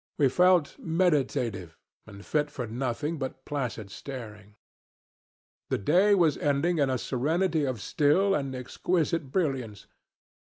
We felt meditative, and fit for nothing but placid staring. The day was ending in a serenity of still and exquisite brilliance.